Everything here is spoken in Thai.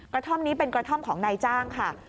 ท่อมนี้เป็นกระท่อมของนายจ้างค่ะ